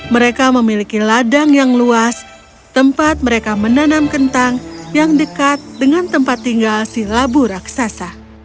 mereka memiliki ladang yang luas tempat mereka menanam kentang yang dekat dengan tempat tinggal si labu raksasa